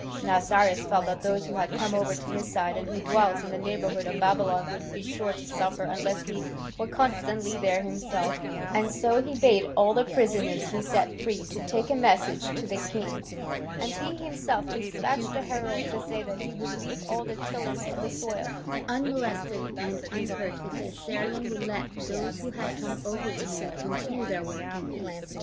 Now Cyrus felt that those who had come over to his side and who dwelt in the neighbourhood of Babylon would be sure to suffer unless he were constantly there himself, and so he bade all the prisoners he set free take a message to the king, and he himself despatched a herald to say that he would leave all the tillers of the soil unmolested and unhurt if the Assyrian would let those who had come over to him continue their work in peace.